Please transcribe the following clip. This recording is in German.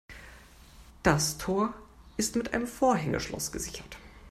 Das Tor ist mit einem Vorhängeschloss gesichert.